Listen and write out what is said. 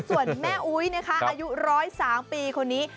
ส่วนแม่อุ๊ยนะคะอายุ๑๐๓ปีคนนี้